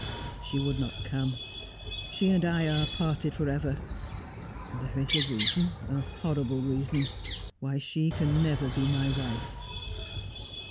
' She would not come. She and I are parted for ever. There is a reason — a horrible reason — why she can never be my wife.'